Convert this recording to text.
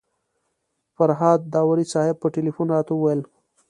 فرهاد داوري صاحب په تیلفون راته وویل.